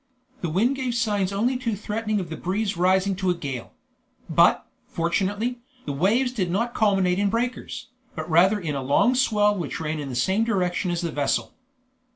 The wind gave signs only too threatening of the breeze rising to a gale; but, fortunately, the waves did not culminate in breakers, but rather in a long swell which ran in the same direction as the vessel.